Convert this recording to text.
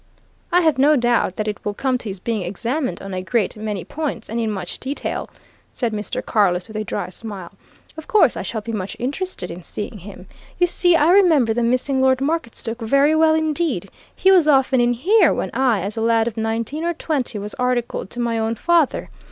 "I have no doubt that it will come to his being examined on a great many points and in much detail," said Mr. Carless with a dry smile. "Of course, I shall be much interested in seeing him. You see, I remember the missing Lord Marketstoke very well indeed he was often in here when I, as a lad of nineteen or twenty, was articled to my own father.